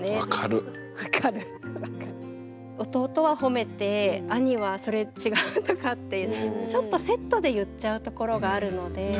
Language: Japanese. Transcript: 弟はほめて兄は「それ違う」とかってちょっとセットで言っちゃうところがあるので。